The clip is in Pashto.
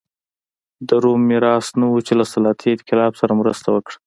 د روم میراث نه و چې له صنعتي انقلاب سره مرسته وکړه.